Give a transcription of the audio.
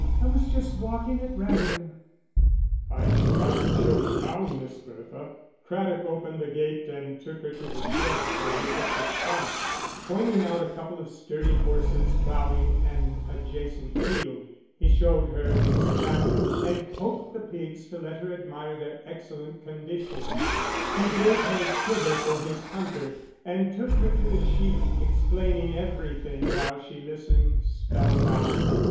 "I was just walking at random." "I should like to show you round, Miss Bertha." Craddock opened the gate and took her to the sheds where he kept his carts, pointing out a couple of sturdy horses ploughing an adjacent field; he showed her his cattle, and poked the pigs to let her admire their excellent condition; he gave her sugar for his hunter, and took her to the sheep explaining everything while she listened spell bound.